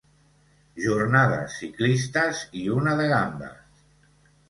Jornades ciclistes i una de gambes.